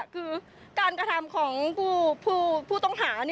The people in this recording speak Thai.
คือการกระทำของผู้ต้องหา